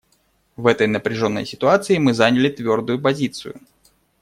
В этой напряженной ситуации мы заняли твердую позицию.